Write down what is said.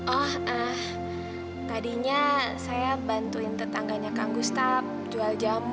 oh tadinya saya bantuin tetangganya kang gustap jual jamu